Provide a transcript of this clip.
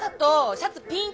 シャツピン！